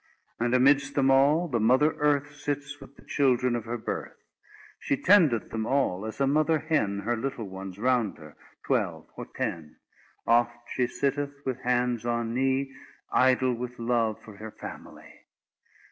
And amidst them all, the mother Earth Sits with the children of her birth; She tendeth them all, as a mother hen Her little ones round her, twelve or ten: Oft she sitteth, with hands on knee, Idle with love for her family.